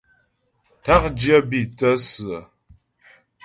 Ták dyə́ bî thə́sə ə.